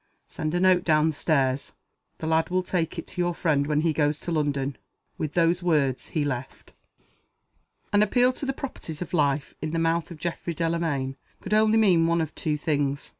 Send a note down stairs. The lad will take it to your friend when he goes to London." With those words he left. An appeal to the proprieties of life, in the mouth of Geoffrey Delamayn, could only mean one of two things.